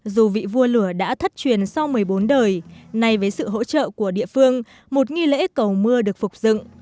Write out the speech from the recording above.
dù vị vua lửa đã thất truyền sau một mươi bốn đời nay với sự hỗ trợ của địa phương một nghi lễ cầu mưa được phục dựng